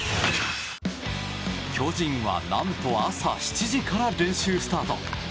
巨人は何と朝７時から練習スタート。